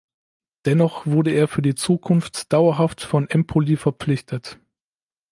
Dennoch wurde er für die Zukunft dauerhaft von Empoli verpflichtet.